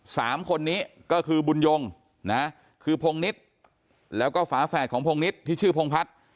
สามคนนี้ก็คือบุญยงนะคือพงนิดแล้วก็ฝาแฝดของพงนิดที่ชื่อพงพัฒน์